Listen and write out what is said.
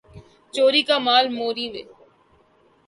چوری کا مال موری میں